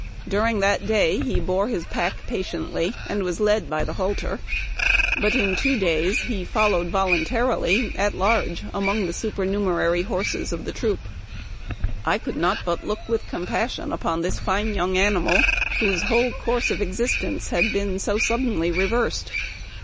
During that day he bore his pack patiently, and was led by the halter ; but in t he followed voluntarily at large among the supernumerary horses of the tr " I could not but look with compassion upon this fine young animal, whose whole course of existence had been so suddenly reversed.